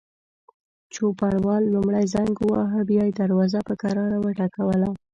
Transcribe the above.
چوپړوال لومړی زنګ وواهه، بیا یې دروازه په کراره وټکوله.